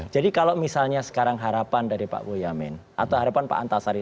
jadi kalau misalnya sekarang harapan dari pak boyamin atau harapan pak antasarri